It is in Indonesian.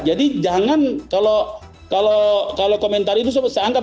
jadi jangan kalau komentar itu saya anggap